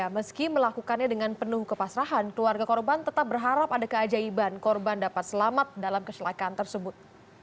meski melakukannya dengan penuh kepasrahan keluarga korban tetap berharap ada keajaiban korban dapat selamat dalam keselakaan tersebut